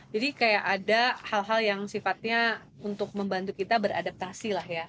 jadi kayak ada hal hal yang sifatnya untuk membantu kita beradaptasi lah ya